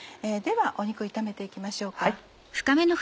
では肉を炒めて行きましょうか。